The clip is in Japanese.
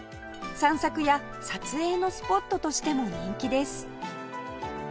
散策や撮影のスポットとしても人気です